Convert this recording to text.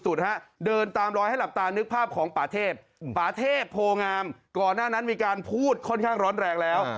เดินตามรอยให้หลับตานึกภาพของป่าเทพปาเทพโพงามก่อนหน้านั้นมีการพูดค่อนข้างร้อนแรงแล้ว